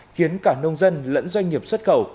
khiến cả nông dân lẫn doanh nghiệp xuất khẩu